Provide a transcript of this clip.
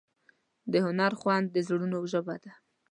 د هنر خوند د زړونو ژبه ده.